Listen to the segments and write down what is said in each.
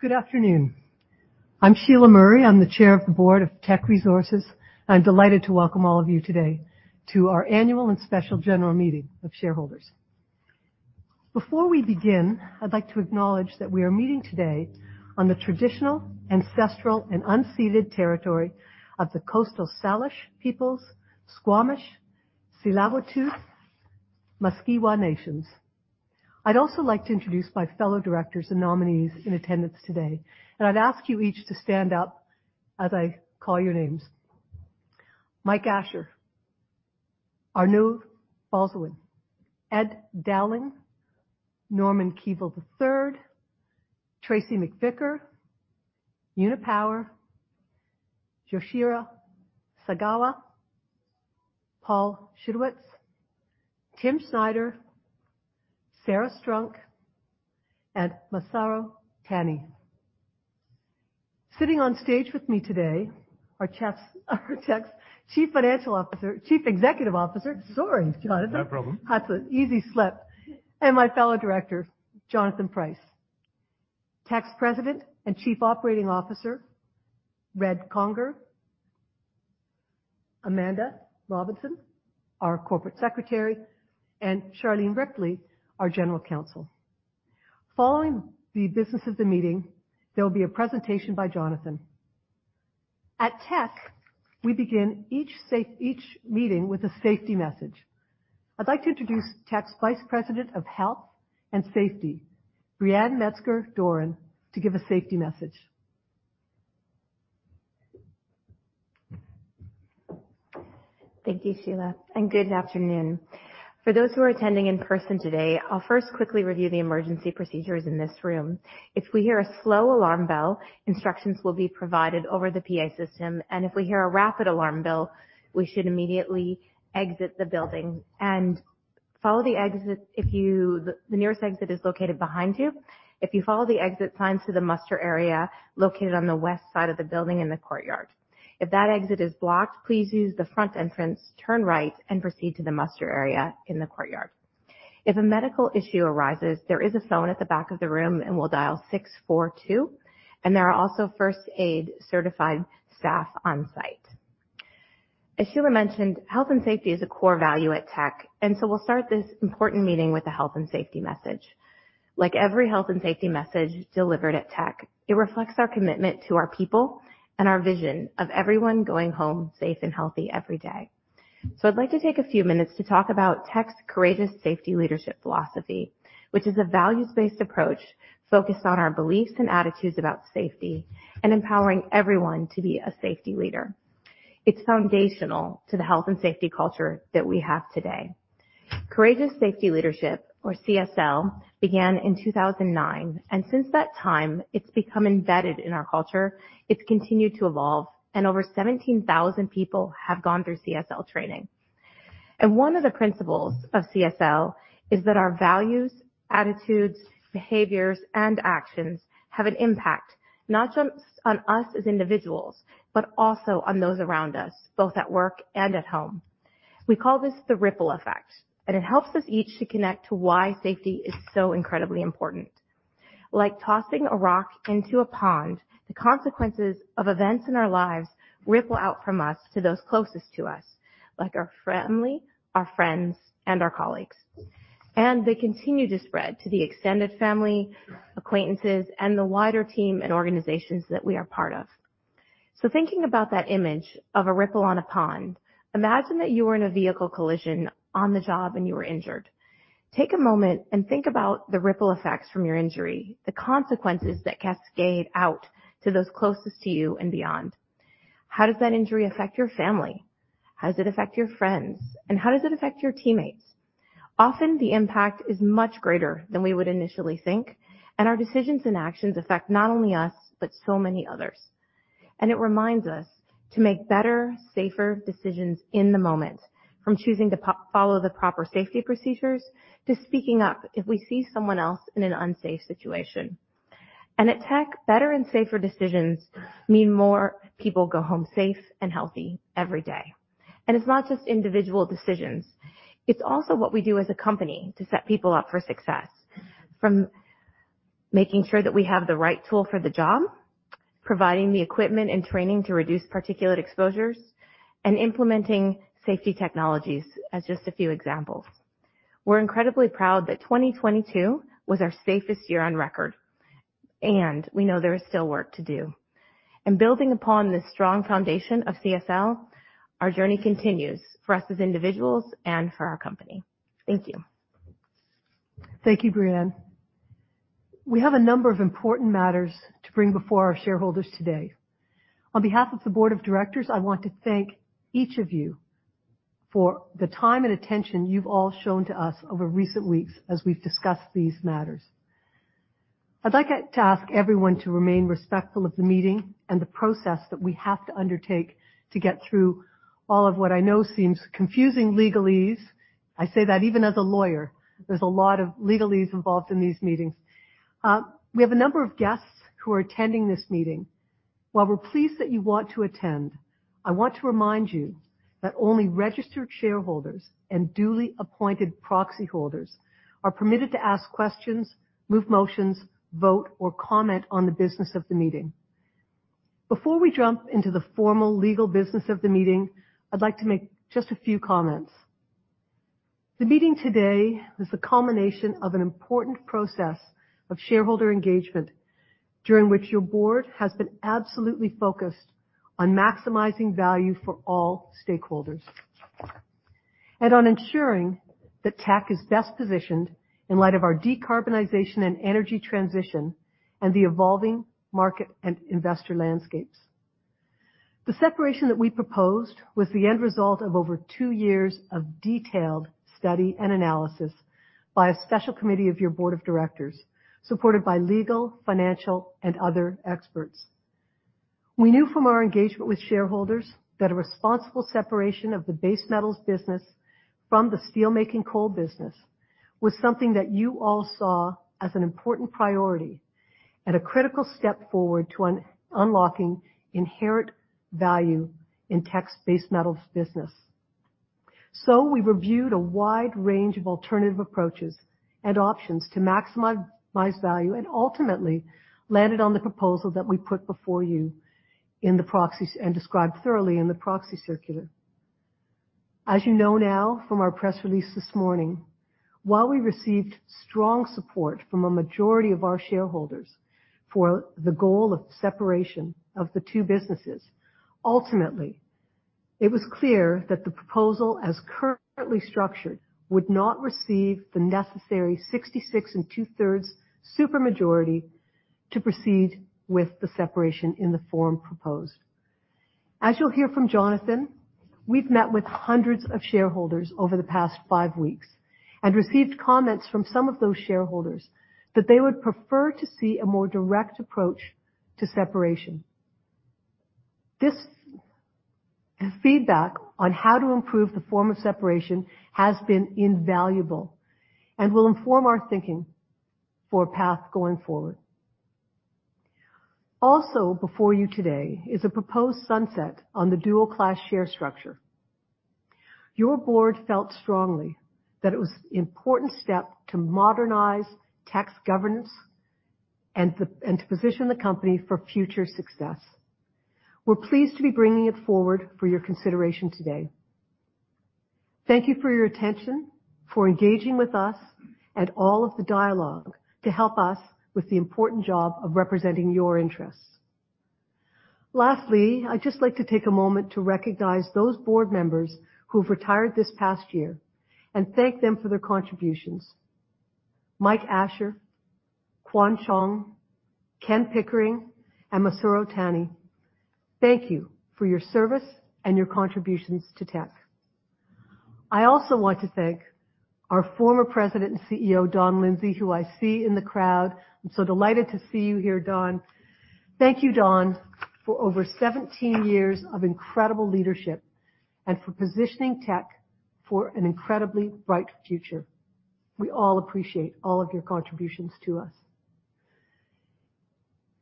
Good afternoon. I'm Sheila Murray. I'm the Chair of the Board of Teck Resources. I'm delighted to welcome all of you today to our annual and special general meeting of shareholders. Before we begin, I'd like to acknowledge that we are meeting today on the traditional, ancestral, and unceded territory of the Coast Salish peoples, Squamish, Tsleil-Waututh, Musqueam nations. I'd also like to introduce my fellow directors and nominees in attendance today. I'd ask you each to stand up as I call your names. Mike Ashar, Arnoud Balhuizen, Ed Dowling, Norman Keevil III, Tracey McVicar, Una Power, Yoshihiro Sagawa, Paul Schiodtz, Tim Snyder, Sarah Strunk, and Masaru Tani. Sitting on stage with me today are Teck's Chief Executive Officer. Sorry, Jonathan. No problem. That's an easy slip. My fellow Director, Jonathan Price. Teck's President and Chief Operating Officer, Red Conger. Amanda Robinson, our Corporate Secretary, and Charlene Ripley, our General Counsel. Following the business of the meeting, there will be a presentation by Jonathan. At Teck, we begin each meeting with a safety message. I'd like to introduce Teck's Vice President of Health and Safety, Brianne Metzger-Doran, to give a safety message. Thank you, Sheila. Good afternoon. For those who are attending in person today, I'll first quickly review the emergency procedures in this room. If we hear a slow alarm bell, instructions will be provided over the PA system. If we hear a rapid alarm bell, we should immediately exit the building and follow the nearest exit is located behind you. If you follow the exit signs to the muster area located on the west side of the building in the courtyard. If that exit is blocked, please use the front entrance, turn right, and proceed to the muster area in the courtyard. If a medical issue arises, there is a phone at the back of the room, and we'll dial 642, and there are also first aid-certified staff on-site. As Sheila Murray mentioned, health and safety is a core value at Teck, and so we'll start this important meeting with a health and safety message. Like every health and safety message delivered at Teck, it reflects our commitment to our people and our vision of everyone going home safe and healthy every day. I'd like to take a few minutes to talk about Teck's Courageous Safety Leadership philosophy, which is a values-based approach focused on our beliefs and attitudes about safety and empowering everyone to be a safety leader. It's foundational to the health and safety culture that we have today. Courageous Safety Leadership, or CSL, began in 2009, and since that time, it's become embedded in our culture. It's continued to evolve, and over 17,000 people have gone through CSL training. One of the principles of CSL is that our values, attitudes, behaviors, and actions have an impact not just on us as individuals, but also on those around us, both at work and at home. We call this the ripple effect, and it helps us each to connect to why safety is so incredibly important. Like tossing a rock into a pond, the consequences of events in our lives ripple out from us to those closest to us, like our family, our friends, and our colleagues. They continue to spread to the extended family, acquaintances, and the wider team and organizations that we are part of. Thinking about that image of a ripple on a pond, imagine that you were in a vehicle collision on the job and you were injured. Take a moment and think about the ripple effects from your injury, the consequences that cascade out to those closest to you and beyond. How does that injury affect your family? How does it affect your friends? How does it affect your teammates? Often, the impact is much greater than we would initially think, and our decisions and actions affect not only us, but so many others. It reminds us to make better, safer decisions in the moment, from choosing to follow the proper safety procedures to speaking up if we see someone else in an unsafe situation. At Teck, better and safer decisions mean more people go home safe and healthy every day. It's not just individual decisions. It's also what we do as a company to set people up for success, from making sure that we have the right tool for the job, providing the equipment and training to reduce particulate exposures, and implementing safety technologies as just a few examples. We're incredibly proud that 2022 was our safest year on record, and we know there is still work to do. Building upon this strong foundation of CSL, our journey continues for us as individuals and for our company. Thank you. Thank you, Brianne. We have a number of important matters to bring before our shareholders today. On behalf of the board of directors, I want to thank each of you for the time and attention you've all shown to us over recent weeks as we've discussed these matters. I'd like to ask everyone to remain respectful of the meeting and the process that we have to undertake to get through all of what I know seems confusing legalese. I say that even as a lawyer, there's a lot of legalese involved in these meetings. We have a number of guests who are attending this meeting. We're pleased that you want to attend, I want to remind you that only registered shareholders and duly appointed proxy holders are permitted to ask questions, move motions, vote, or comment on the business of the meeting. Before we jump into the formal legal business of the meeting, I'd like to make just a few comments. The meeting today is the culmination of an important process of shareholder engagement, during which your board has been absolutely focused on maximizing value for all stakeholders. On ensuring that Teck is best positioned in light of our decarbonization and energy transition and the evolving market and investor landscapes. The separation that we proposed was the end result of over two years of detailed study and analysis by a special committee of your board of directors, supported by legal, financial, and other experts. We knew from our engagement with shareholders that a responsible separation of the base metals business from the steelmaking coal business was something that you all saw as an important priority and a critical step forward to unlocking inherent value in Teck's base metals business. We reviewed a wide range of alternative approaches and options to maximize value and ultimately landed on the proposal that we put before you in the proxy and described thoroughly in the proxy circular. You know now from our press release this morning, while we received strong support from a majority of our shareholders for the goal of separation of the two businesses, ultimately, it was clear that the proposal, as currently structured, would not receive the necessary 66 and two-thirds supermajority to proceed with the separation in the forum proposed. You'll hear from Jonathan, we've met with hundreds of shareholders over the past five weeks and received comments from some of those shareholders that they would prefer to see a more direct approach to separation. This feedback on how to improve the form of separation has been invaluable and will inform our thinking for a path going forward. Before you today is a proposed sunset on the dual class share structure. Your board felt strongly that it was an important step to modernize Teck governance and to position the company for future success. We're pleased to be bringing it forward for your consideration today. Thank you for your attention, for engaging with us at all of the dialogue to help us with the important job of representing your interests. I'd just like to take a moment to recognize those board members who've retired this past year and thank them for their contributions. Mike Ashar, Quan Chong, Ken Pickering, and Masaru Tani, thank you for your service and your contributions to Teck. I also want to thank our former President and CEO, Don Lindsay, who I see in the crowd. I'm so delighted to see you here, Don. Thank you, Don, for over 17 years of incredible leadership and for positioning Teck for an incredibly bright future. We all appreciate all of your contributions to us.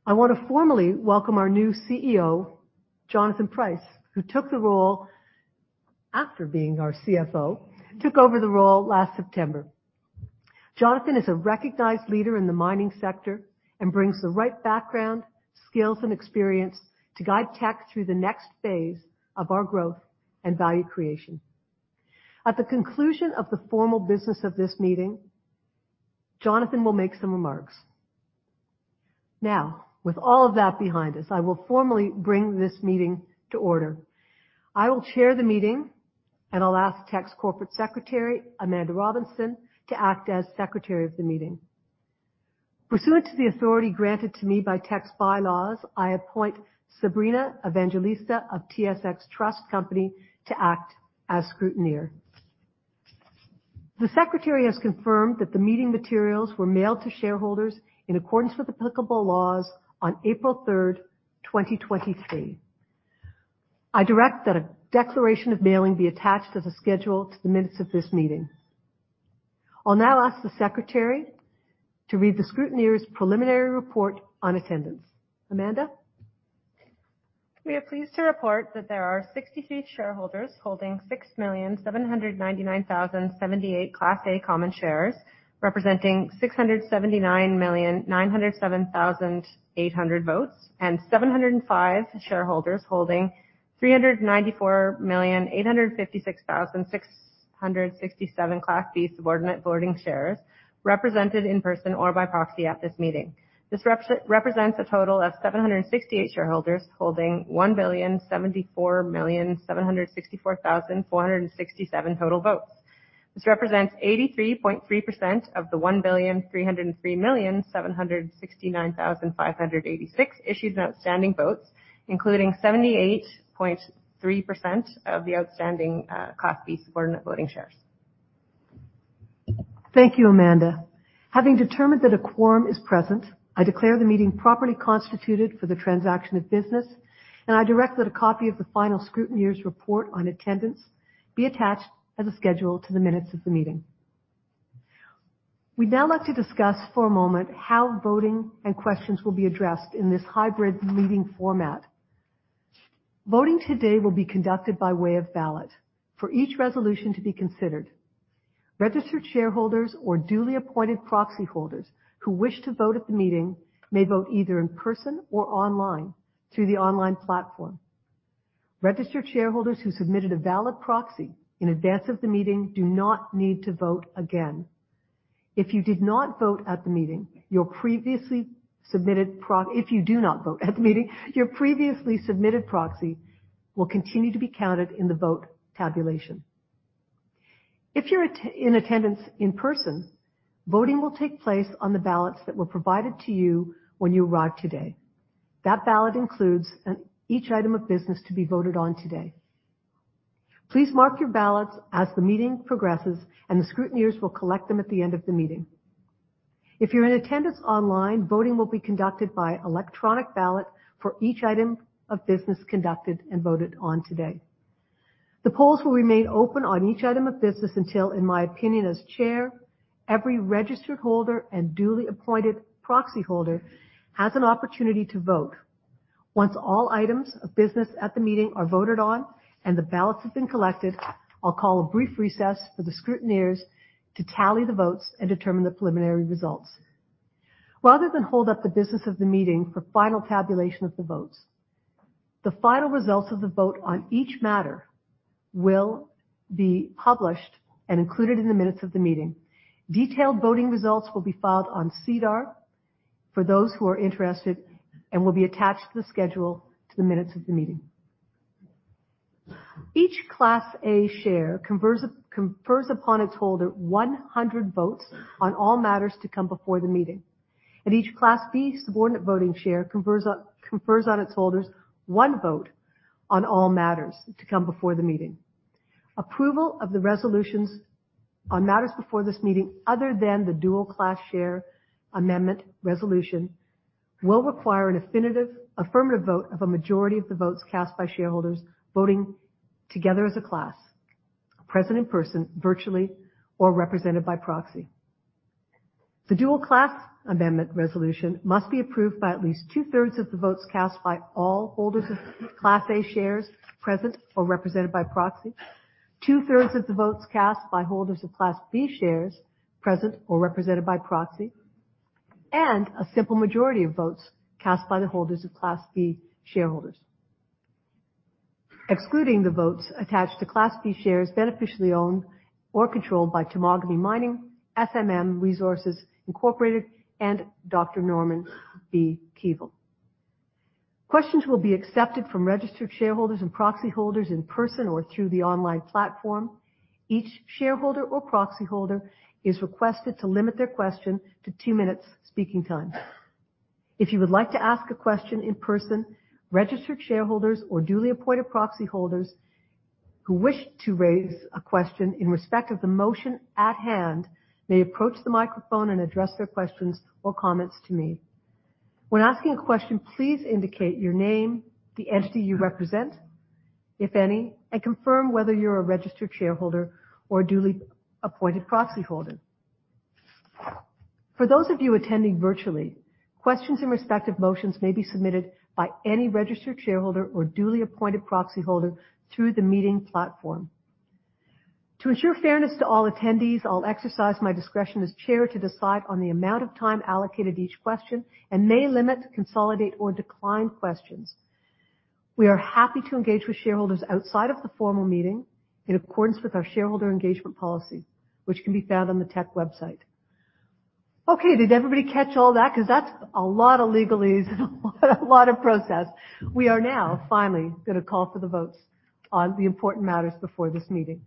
I want to formally welcome our new CEO, Jonathan Price, who took the role after being our CFO, took over the role last September. Jonathan is a recognized leader in the mining sector and brings the right background, skills, and experience to guide Teck through the next phase of our growth and value creation. At the conclusion of the formal business of this meeting, Jonathan will make some remarks. With all of that behind us, I will formally bring this meeting to order. I will chair the meeting, I'll ask Teck's Corporate Secretary, Amanda Robinson, to act as secretary of the meeting. Pursuant to the authority granted to me by Teck's bylaws, I appoint Zabrina Evangelista of TSX Trust Company to act as scrutineer. The secretary has confirmed that the meeting materials were mailed to shareholders in accordance with applicable laws on April 3, 2023. I direct that a declaration of mailing be attached as a schedule to the minutes of this meeting. I'll now ask the secretary to read the scrutineer's preliminary report on attendance. Amanda? We are pleased to report that there are 63 shareholders holding 6,799,078 Class A common shares, representing 679,907,800 votes, and 705 shareholders holding 394,856,667 Class B subordinate voting shares represented in person or by proxy at this meeting. This represents a total of 768 shareholders holding 1,704,764,467 total votes. This represents 83.3% of the 1,303,769,586 issued and outstanding votes, including 78.3% of the outstanding Class B subordinate voting shares. Thank you, Amanda. Having determined that a quorum is present, I declare the meeting properly constituted for the transaction of business. I direct that a copy of the final scrutineer's report on attendance be attached as a schedule to the minutes of the meeting. We'd now like to discuss for a moment how voting and questions will be addressed in this hybrid meeting format. Voting today will be conducted by way of ballot. For each resolution to be considered, registered shareholders or duly appointed proxy holders who wish to vote at the meeting may vote either in person or online through the online platform. Registered shareholders who submitted a valid proxy in advance of the meeting do not need to vote again. If you do not vote at the meeting your previously submitted proxy will continue to be counted in the vote tabulation. If you're in attendance in person, voting will take place on the ballots that were provided to you when you arrived today. That ballot includes each item of business to be voted on today. Please mark your ballots as the meeting progresses and the scrutineers will collect them at the end of the meeting. If you're in attendance online, voting will be conducted by electronic ballot for each item of business conducted and voted on today. The polls will remain open on each item of business until, in my opinion as chair, every registered holder and duly appointed proxy holder has an opportunity to vote. Once all items of business at the meeting are voted on and the ballots have been collected, I'll call a brief recess for the scrutineers to tally the votes and determine the preliminary results. Rather than hold up the business of the meeting for final tabulation of the votes, the final results of the vote on each matter will be published and included in the minutes of the meeting. Detailed voting results will be filed on SEDAR for those who are interested and will be attached to the schedule to the minutes of the meeting. Each Class A share confers upon its holder 100 votes on all matters to come before the meeting. Each Class B subordinate voting share confers on its holders one vote on all matters to come before the meeting. Approval of the resolutions on matters before this meeting other than the Dual Class Share Amendment Resolution will require an affirmative vote of a majority of the votes cast by shareholders voting together as a class, present in person, virtually, or represented by proxy. The Dual Class Amendment Resolution must be approved by at least 2/3 of the votes cast by all holders of Class A shares present or represented by proxy. Two thirth of the votes cast by holders of Class B shares present or represented by proxy, and a simple majority of votes cast by the holders of Class B shareholders. Excluding the votes attached to Class B shares beneficially owned or controlled by Temagami Mining, SMM Resources Incorporated, and Dr. Norman B. Keevil. Questions will be accepted from registered shareholders and proxy holders in person or through the online platform. Each shareholder or proxy holder is requested to limit their question to two minutes speaking time. If you would like to ask a question in person, registered shareholders or duly appointed proxy holders who wish to raise a question in respect of the motion at hand may approach the microphone and address their questions or comments to me. When asking a question, please indicate your name, the entity you represent, if any, and confirm whether you're a registered shareholder or a duly appointed proxy holder. For those of you attending virtually, questions and respective motions may be submitted by any registered shareholder or duly appointed proxy holder through the meeting platform. To ensure fairness to all attendees, I'll exercise my discretion as chair to decide on the amount of time allocated to each question and may limit, consolidate, or decline questions. We are happy to engage with shareholders outside of the formal meeting in accordance with our shareholder engagement policy, which can be found on the Teck website. Okay, did everybody catch all that? 'Cause that's a lot of legalese and a lot of process. We are now finally gonna call for the votes on the important matters before this meeting.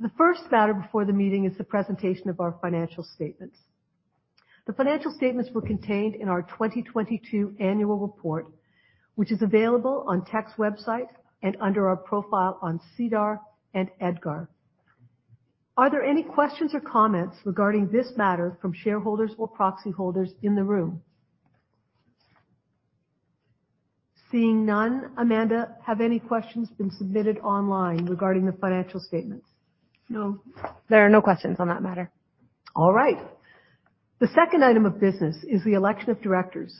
The first matter before the meeting is the presentation of our financial statements. The financial statements were contained in our 2022 annual report, which is available on Teck's website and under our profile on SEDAR and EDGAR. Are there any questions or comments regarding this matter from shareholders or proxy holders in the room? Seeing none, Amanda, have any questions been submitted online regarding the financial statements? No. There are no questions on that matter. All right. The second item of business is the election of directors.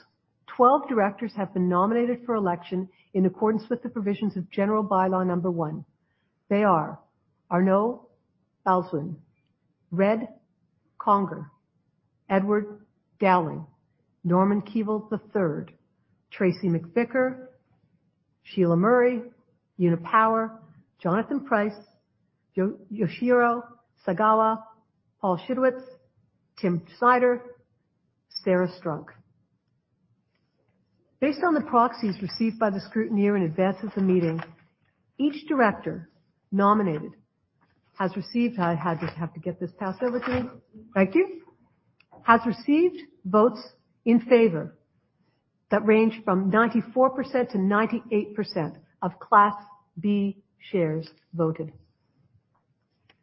12 directors have been nominated for election in accordance with the provisions of general bylaw number one. They are Arnaud Balhuizen, Red Conger, Ed Dowling, Norman Keevil III, Tracey McVicar, Sheila Murray, Una Power, Jonathan Price, Yoshihiro Sagawa, Paul Schiodtz, Timothy Snider, Sarah Strunk. Based on the proxies received by the scrutineer in advance of the meeting, each director nominated has received, I just have to get this passed over to me. Thank you. Has received votes in favor that range from 94% to 98% of Class B shares voted.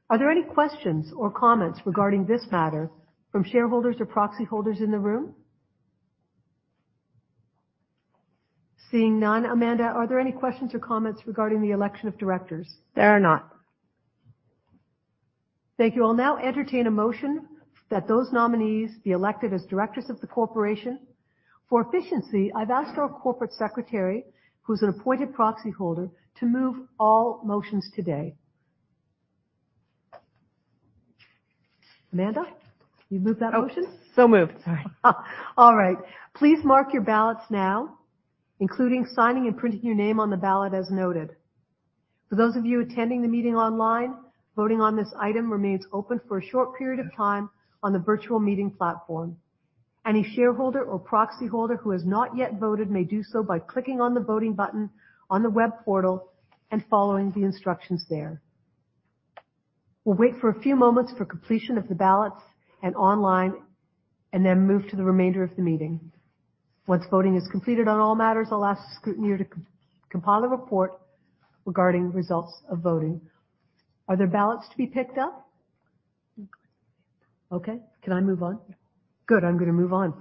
Are there any questions or comments regarding this matter from shareholders or proxy holders in the room? Seeing none. Amanda, are there any questions or comments regarding the election of directors? There are not. Thank you. I'll now entertain a motion that those nominees be elected as directors of the corporation. For efficiency, I've asked our corporate secretary, who's an appointed proxy holder, to move all motions today. Amanda, you move that motion? Oh, so moved. Sorry. All right. Please mark your ballots now, including signing and printing your name on the ballot as noted. For those of you attending the meeting online, voting on this item remains open for a short period of time on the virtual meeting platform. Any shareholder or proxy holder who has not yet voted may do so by clicking on the voting button on the web portal and following the instructions there. We'll wait for a few moments for completion of the ballots and online, and then move to the remainder of the meeting. Once voting is completed on all matters, I'll ask the scrutineer to compile a report regarding results of voting. Are there ballots to be picked up? No. Okay. Can I move on? Good. I'm gonna move on.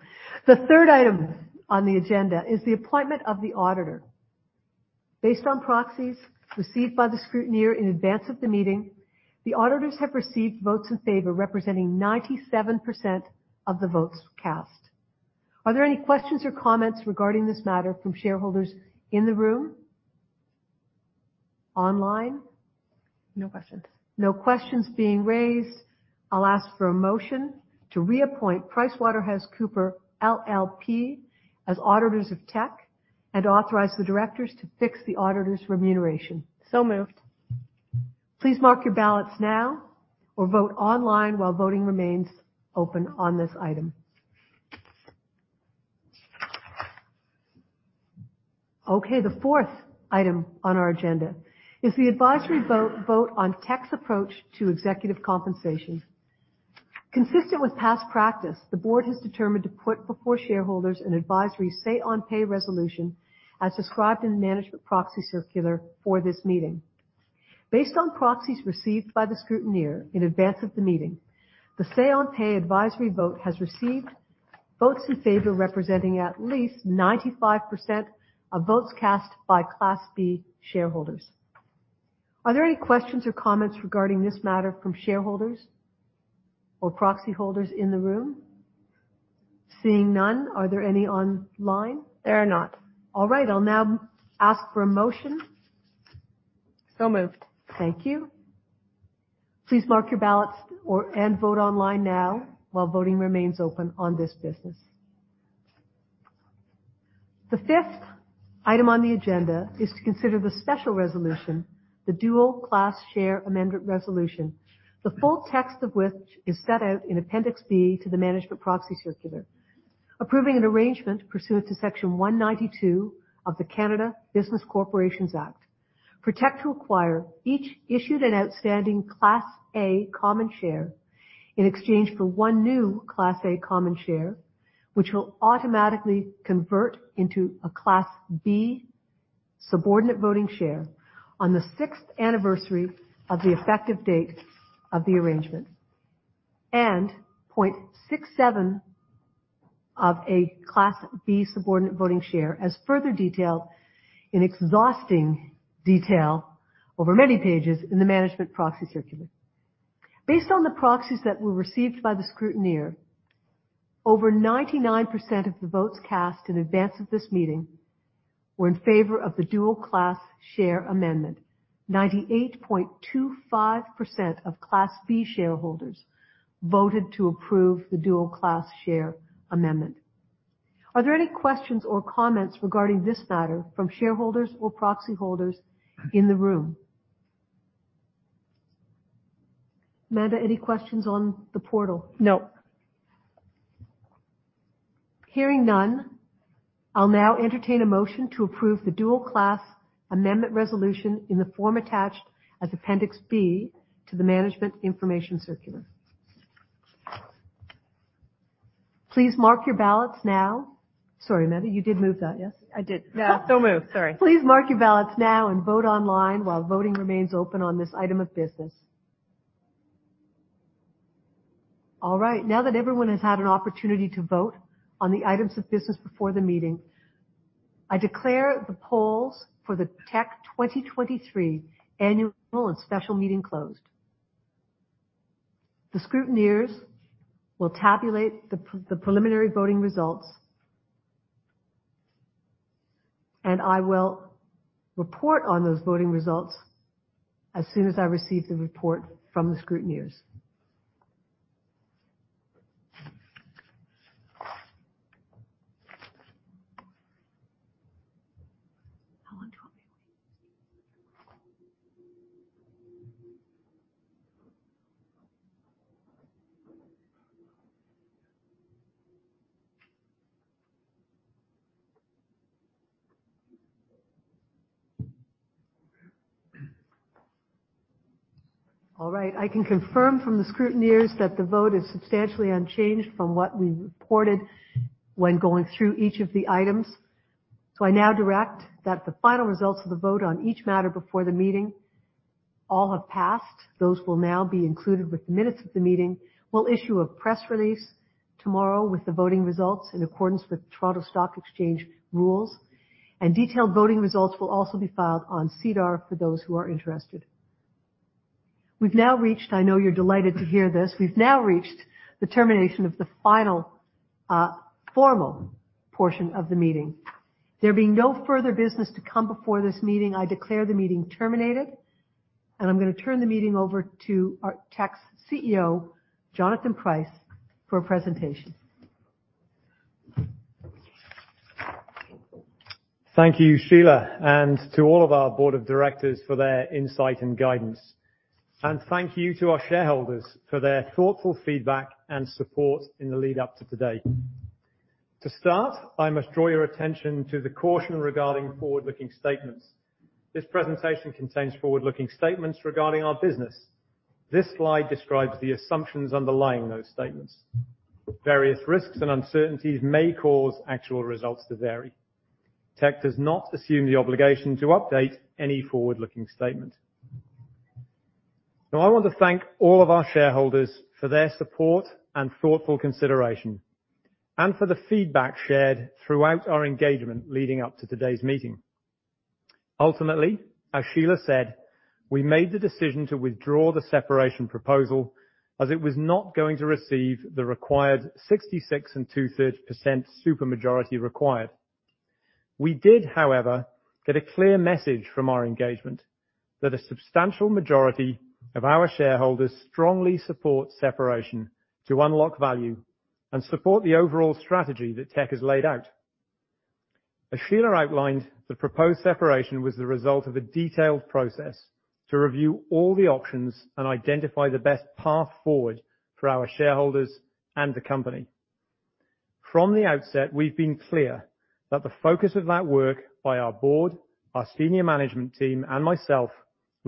The third item on the agenda is the appointment of the auditor. Based on proxies received by the scrutineer in advance of the meeting, the auditors have received votes in favor representing 97% of the votes cast. Are there any questions or comments regarding this matter from shareholders in the room? Online? No questions. No questions being raised. I'll ask for a motion to reappoint PricewaterhouseCoopers LLP as auditors of Teck and authorize the directors to fix the auditors remuneration. Moved. Please mark your ballots now or vote online while voting remains open on this item. Okay, the 4th item on our agenda is the advisory vote on Teck's approach to executive compensation. Consistent with past practice, the board has determined to put before shareholders an advisory say on pay resolution as described in the management proxy circular for this meeting. Based on proxies received by the scrutineer in advance of the meeting, the say on pay advisory vote has received votes in favor, representing at least 95% of votes cast by Class B shareholders. Are there any questions or comments regarding this matter from shareholders or proxy holders in the room? Seeing none, are there any online? There are not. All right. I'll now ask for a motion. Moved. Thank you. Please mark your ballots and vote online now while voting remains open on this business. The 5th item on the agenda is to consider the special resolution, the Dual Class Amendment Resolution, the full text of which is set out in Appendix B to the management proxy circular, approving an arrangement pursuant to Section 192 of the Canada Business Corporations Act. Teck to acquire each issued and outstanding Class A common share in exchange for one new Class A common share, which will automatically convert into a Class B subordinate voting share on the 6th anniversary of the effective date of the arrangement. Point 0.67 of a Class B subordinate voting share, as further detailed in exhausting detail over many pages in the management proxy circular. Based on the proxies that were received by the scrutineer, over 99% of the votes cast in advance of this meeting were in favor of the Dual Class Share Amendment. 98.25% of Class B shareholders voted to approve the Dual Class Amendment Resolution. Are there any questions or comments regarding this matter from shareholders or proxy holders in the room? Amanda, any questions on the portal? No. Hearing none, I'll now entertain a motion to approve the Dual Class Amendment Resolution in the form attached as Appendix B to the management information circular. Please mark your ballots now. Sorry, Amanda, you did move that, yes? I did. Yeah. So moved. Sorry. Please mark your ballots now and vote online while voting remains open on this item of business. All right. Now that everyone has had an opportunity to vote on the items of business before the meeting, I declare the polls for the Teck 2023 annual and special meeting closed. The scrutineers will tabulate the preliminary voting results. I will report on those voting results as soon as I receive the report from the scrutineers. How long do you want me to wait? All right. I can confirm from the scrutineers that the vote is substantially unchanged from what we reported when going through each of the items. I now direct that the final results of the vote on each matter before the meeting. All have passed. Those will now be included with the minutes of the meeting. We'll issue a press release tomorrow with the voting results in accordance with Toronto Stock Exchange rules, and detailed voting results will also be filed on SEDAR for those who are interested. We've now reached, I know you're delighted to hear this, we've now reached the termination of the final formal portion of the meeting. There being no further business to come before this meeting, I declare the meeting terminated, and I'm gonna turn the meeting over to our Teck's CEO, Jonathan Price, for a presentation. Thank you, Sheila, and to all of our board of directors for their insight and guidance. Thank you to our shareholders for their thoughtful feedback and support in the lead-up to today. To start, I must draw your attention to the caution regarding forward-looking statements. This presentation contains forward-looking statements regarding our business. This slide describes the assumptions underlying those statements. Various risks and uncertainties may cause actual results to vary. Teck does not assume the obligation to update any forward-looking statement. Now, I want to thank all of our shareholders for their support and thoughtful consideration, and for the feedback shared throughout our engagement leading up to today's meeting. Ultimately, as Sheila said, we made the decision to withdraw the separation proposal as it was not going to receive the required 66 and 2/3% supermajority required. We did, however, get a clear message from our engagement that a substantial majority of our shareholders strongly support separation to unlock value and support the overall strategy that Teck has laid out. As Sheila outlined, the proposed separation was the result of a detailed process to review all the options and identify the best path forward for our shareholders and the company. From the outset, we've been clear that the focus of that work by our board, our senior management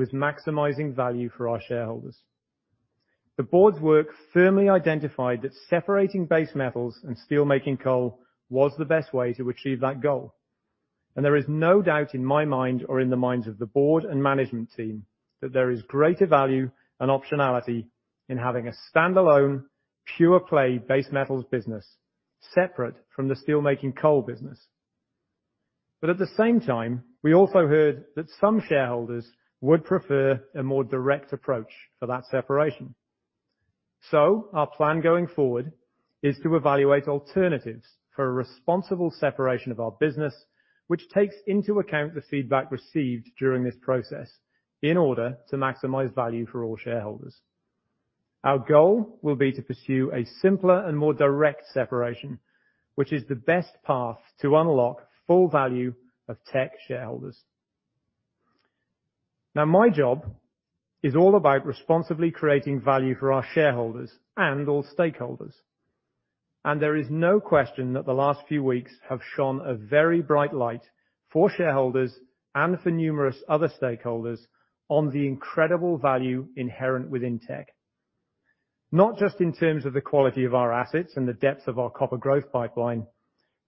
team and myself was maximizing value for our shareholders. The board's work firmly identified that separating base metals and steelmaking coal was the best way to achieve that goal. There is no doubt in my mind or in the minds of the board and management team that there is greater value and optionality in having a standalone, pure-play base metals business separate from the steelmaking coal business. At the same time, we also heard that some shareholders would prefer a more direct approach for that separation. Our plan going forward is to evaluate alternatives for a responsible separation of our business, which takes into account the feedback received during this process in order to maximize value for all shareholders. Our goal will be to pursue a simpler and more direct separation, which is the best path to unlock full value of Teck shareholders. My job is all about responsibly creating value for our shareholders and all stakeholders. There is no question that the last few weeks have shone a very bright light for shareholders and for numerous other stakeholders on the incredible value inherent within Teck. Not just in terms of the quality of our assets and the depth of our copper growth pipeline,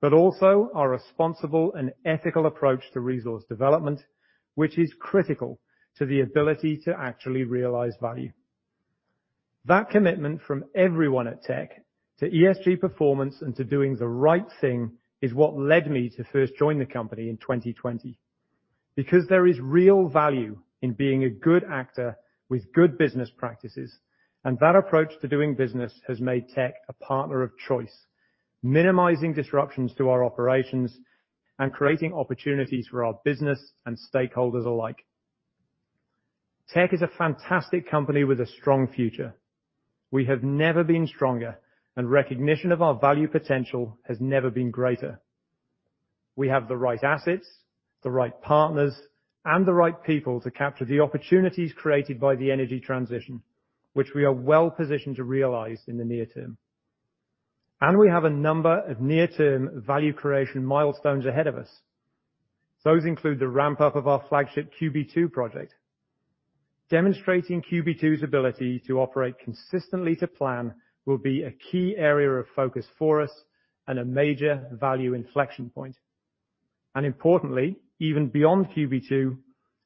but also our responsible and ethical approach to resource development, which is critical to the ability to actually realize value. That commitment from everyone at Teck to ESG performance and to doing the right thing is what led me to first join the company in 2020, because there is real value in being a good actor with good business practices, and that approach to doing business has made Teck a partner of choice, minimizing disruptions to our operations and creating opportunities for our business and stakeholders alike. Teck is a fantastic company with a strong future. We have never been stronger, and recognition of our value potential has never been greater. We have the right assets, the right partners, and the right people to capture the opportunities created by the energy transition, which we are well-positioned to realize in the near term. We have a number of near-term value creation milestones ahead of us. Those include the ramp-up of our flagship QB2 project. Demonstrating QB2's ability to operate consistently to plan will be a key area of focus for us and a major value inflection point. Importantly, even beyond QB2,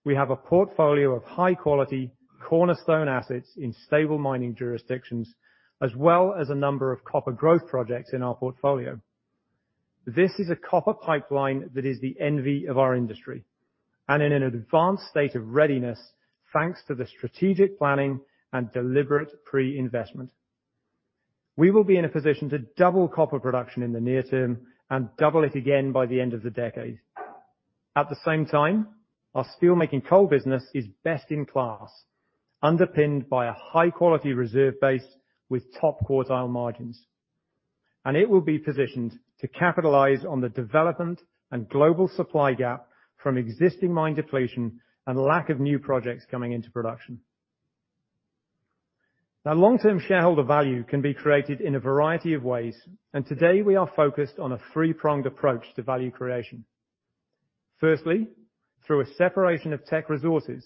we have a portfolio of high-quality cornerstone assets in stable mining jurisdictions, as well as a number of copper growth projects in our portfolio. This is a copper pipeline that is the envy of our industry and in an advanced state of readiness, thanks to the strategic planning and deliberate pre-investment. We will be in a position to double copper production in the near term and double it again by the end of the decade. At the same time, our steelmaking coal business is best in class, underpinned by a high-quality reserve base with top quartile margins. It will be positioned to capitalize on the development and global supply gap from existing mine depletion and lack of new projects coming into production. Now, long-term shareholder value can be created in a variety of ways, and today we are focused on a three-pronged approach to value creation. Firstly, through a separation of Teck Resources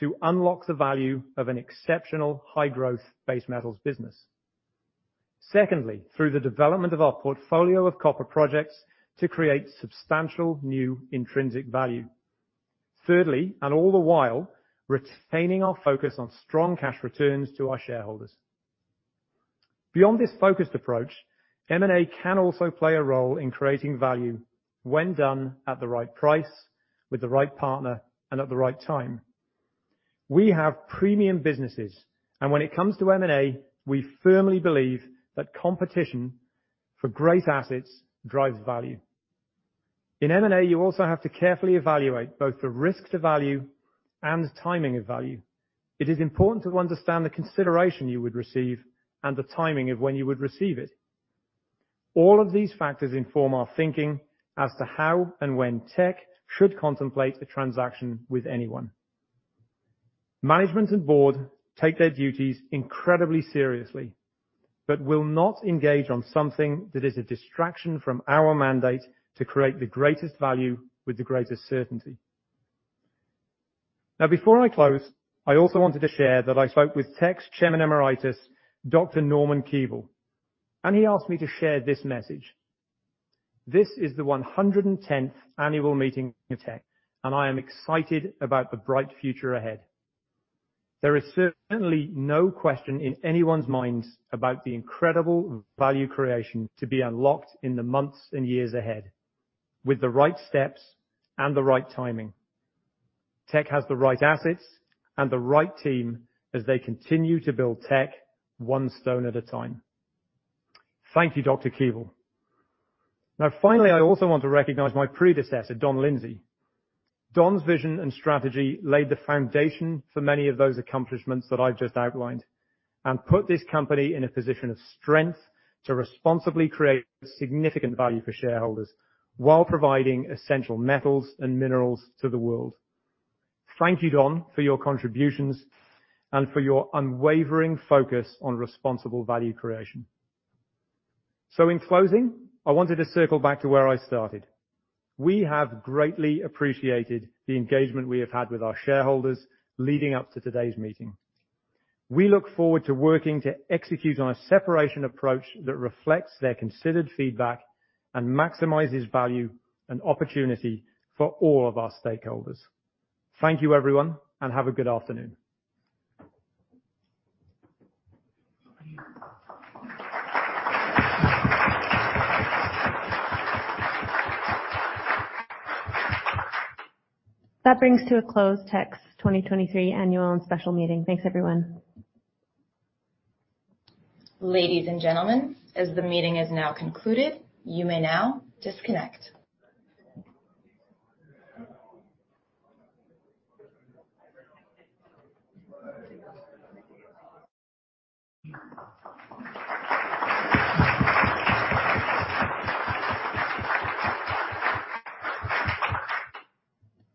to unlock the value of an exceptional high-growth base metals business. Secondly, through the development of our portfolio of copper projects to create substantial new intrinsic value. Thirdly, all the while, retaining our focus on strong cash returns to our shareholders. Beyond this focused approach, M&A can also play a role in creating value when done at the right price with the right partner and at the right time. We have premium businesses, and when it comes to M&A, we firmly believe that competition for great assets drives value. In M&A, you also have to carefully evaluate both the risk to value and the timing of value. It is important to understand the consideration you would receive and the timing of when you would receive it. All of these factors inform our thinking as to how and when Teck should contemplate a transaction with anyone. Management and board take their duties incredibly seriously, but will not engage on something that is a distraction from our mandate to create the greatest value with the greatest certainty. Before I close, I also wanted to share that I spoke with Teck's Chairman Emeritus, Dr. Norman Keevil, and he asked me to share this message. "This is the 110th annual meeting of Teck, and I am excited about the bright future ahead. There is certainly no question in anyone's minds about the incredible value creation to be unlocked in the months and years ahead with the right steps and the right timing. Teck has the right assets and the right team as they continue to build Teck one stone at a time." Thank you, Dr. Keevil. Finally, I also want to recognize my predecessor, Don Lindsay. Don's vision and strategy laid the foundation for many of those accomplishments that I've just outlined and put this company in a position of strength to responsibly create significant value for shareholders while providing essential metals and minerals to the world. Thank you, Don, for your contributions and for your unwavering focus on responsible value creation. In closing, I wanted to circle back to where I started. We have greatly appreciated the engagement we have had with our shareholders leading up to today's meeting. We look forward to working to execute on a separation approach that reflects their considered feedback and maximizes value and opportunity for all of our stakeholders. Thank you, everyone, and have a good afternoon. That brings to a close Teck's 2023 annual and special meeting. Thanks, everyone. Ladies and gentlemen, as the meeting is now concluded, you may now disconnect.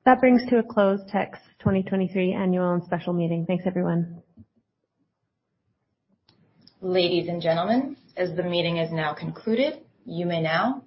That brings to a close Teck's 2023 annual and special meeting. Thanks, everyone. Ladies and gentlemen, as the meeting is now concluded, you may now disconnect.